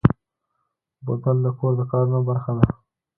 بوتل د کور د کارونو برخه ده.